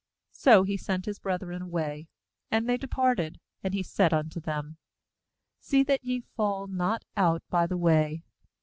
MSo he sent his brethren away, and they departed; and he said unto them: 'See that ye fall not out by the way.'